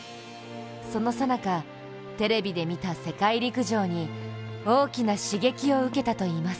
そのさなか、テレビで見た世界陸上に大きな刺激を受けたといいます。